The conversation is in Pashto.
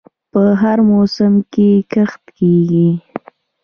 په هر موسم کې کښت کیږي.